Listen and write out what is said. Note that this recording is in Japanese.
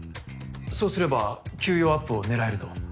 そうすれば給与アップを狙えると？